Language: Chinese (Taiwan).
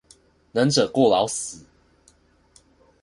能者過勞死